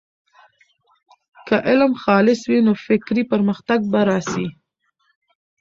که علم خالص وي، نو فکري پرمختګ به راسي.